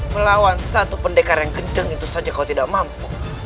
melawan satu pendekar yang kencang itu saja kalau tidak mampu